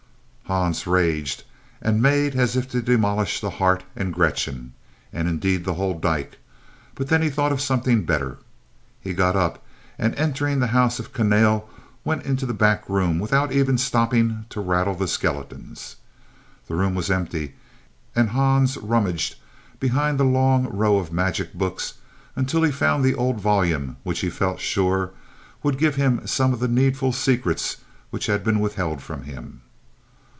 Hans raged and made as if to demolish the heart, and Gretchen, and indeed the whole dyke, but then he thought of something better. He got up and entering the house of Kahnale, went into the back room without even stopping to rattle the skeletons. The room was empty and Hans rummaged behind the long row of magic books until he found the old volume which he felt sure would give him some of the needful secrets which had been withheld from him.